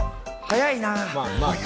早いな！